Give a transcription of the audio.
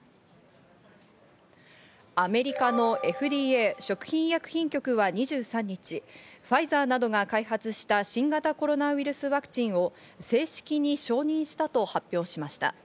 アメリカのＦＤＡ＝食品医薬品局は２３日、ファイザーなどが開発した新型コロナウイルスワクチンを正式に承認したと発表しました。